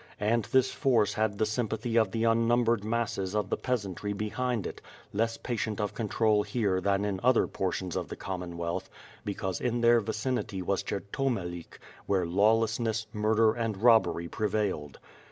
And this force had the sympathy of the unnumbered masses of the peasantry behind it, less patient of control here than in other portions of the Commonwealth because in their vicinity was Chertomelik, where lawlessness, murder, and robbery prevailed.